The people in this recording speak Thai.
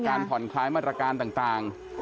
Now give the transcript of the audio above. ผ่อนคลายมาตรการต่าง